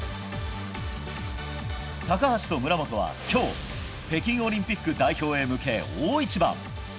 高橋と村元は、今日北京オリンピック代表へ向け大一番。